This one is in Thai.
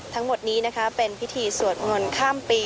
ทั้งหมดนี้เป็นพิธีสวดงนข้ามปี